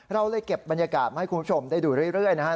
เราเลยเก็บบรรยากาศมาให้คุณผู้ชมได้ดูเรื่อยนะครับ